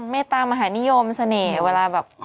เมตรมาหาวิทยาลัยนิยมสเนตเวลาแบบ